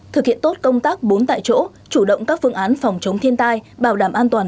thực hiện tốt công tác bốn tại chỗ chủ động các phương án phòng chống thiên tai bảo đảm an toàn